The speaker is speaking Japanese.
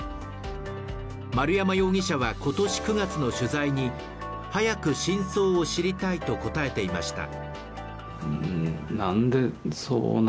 丸山容疑者は今年９月の取材に早く真相を知りたいと答えていました。